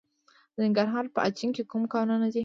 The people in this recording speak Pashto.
د ننګرهار په اچین کې کوم کانونه دي؟